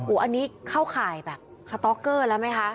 อันนี้เข้าข่ายแบบสต๊อกเกอร์แล้วไหมคะ